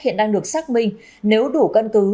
hiện đang được xác minh nếu đủ cân cứ